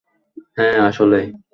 হ্যাঁ, আসলেই!